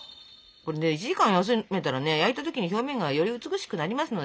これね１時間休めたらね焼いた時に表面がより美しくなりますので。